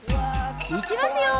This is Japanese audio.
いきますよ。